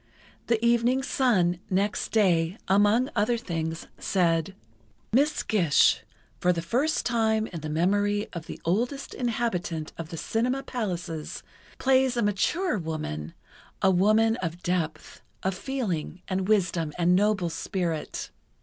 The evening Sun next day, among other things, said: Miss Gish, for the first time in the memory of the oldest inhabitant of the cinema palaces, plays a mature woman, a woman of depth, of feeling and wisdom and noble spirit....